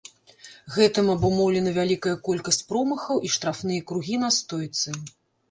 Гэтым абумоўлена вялікая колькасць промахаў і штрафныя кругі на стойцы.